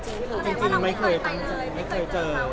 จริงว่าเราไม่เคยเจอ